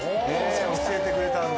教えてくれたんだ。